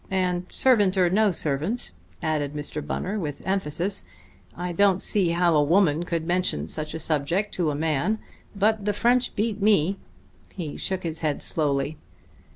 And servant or no servant," added Mr. Bunner with emphasis, "I don't see how a woman could mention such a subject to a man. But the French beat me." He shook his head slowly.